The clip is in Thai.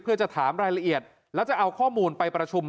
เพื่อจะถามรายละเอียดแล้วจะเอาข้อมูลไปประชุม